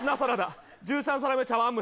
１３皿目茶わん